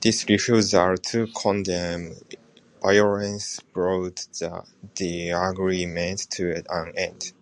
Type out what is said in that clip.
This refusal to condemn violence brought the agreements to an end.